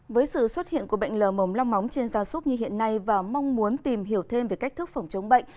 với sự xuất hiện của bệnh lờ mồm long móng trên gia súc như hiện nay và mong muốn tìm hiểu thêm về cách thức phòng chống bệnh